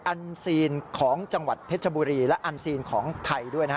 อันซีนของจังหวัดเพชรบุรีและอันซีนของไทยด้วยนะฮะ